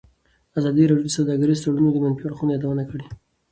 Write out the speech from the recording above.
ازادي راډیو د سوداګریز تړونونه د منفي اړخونو یادونه کړې.